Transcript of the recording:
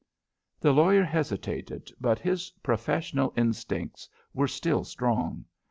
The lawyer hesitated, but his professional instincts were still strong.